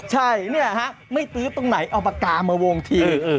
ใช่เนี่ยไม่เตรียมให้ใครนะคะเอาปรากฏมาวงที